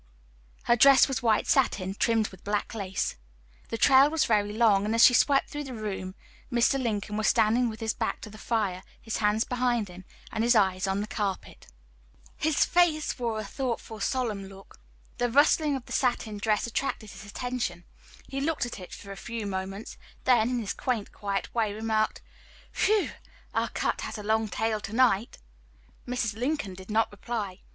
Her dress was white satin, trimmed with black lace. The trail was very long, and as she swept through the room, Mr. Lincoln was standing with his back to the fire, his hands behind him, and his eyes on the carpet. His face wore a thoughtful, solemn look. The rustling of the satin dress attracted his attention. He looked at it a few moments; then, in his quaint, quiet way remarked "Whew! our cat has a long tail to night." Mrs. Lincoln did not reply.